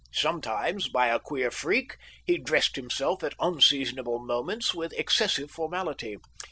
Sometimes, by a queer freak, he dressed himself at unseasonable moments with excessive formality.